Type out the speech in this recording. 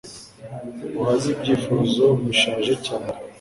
Uhaze ibyifuzo bishaje cyane;